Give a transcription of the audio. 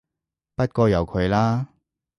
不過由佢啦